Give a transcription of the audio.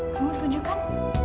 kamu setuju kan